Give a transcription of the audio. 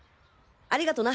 ありがとな